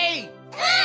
うん！